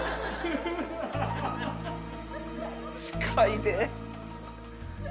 近いで？